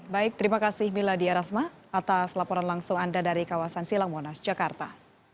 baik terima kasih miladia rasma atas laporan langsung anda dari kawasan silang monas jakarta